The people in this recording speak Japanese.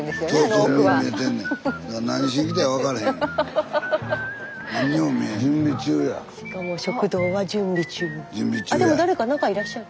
スタジオあっでも誰か中いらっしゃる。